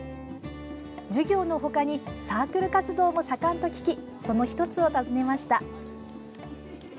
授業の他にサークル活動も盛んと聞きその１つを訪ねました。